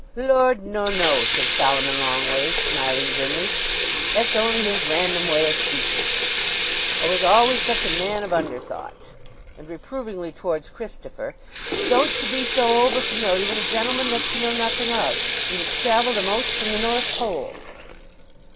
"Lord! no, no!" said Solomon Longways, smiling grimly. "That's only his random way o' speaking. 'A was always such a man of underthoughts." (And reprovingly towards Christopher): "Don't ye be so over familiar with a gentleman that ye know nothing of—and that's travelled a'most from the North Pole."